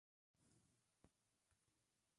Su estilo es Death-Black-Thrash.